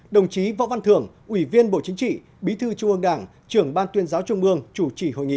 đồng chí võ văn thưởng ủy viên bộ chính trị bí thư trung ương đảng trưởng ban tuyên giáo trung ương chủ trì hội nghị